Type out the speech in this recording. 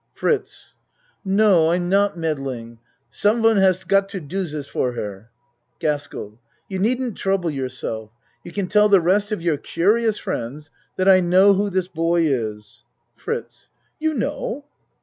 FRITZ No, I'm not meddling. Some one has got to do dis for her. GASKELL You needn't trouble yourself. You can tell the rest of your curious friends that I know who this boy is. FRITZ You know?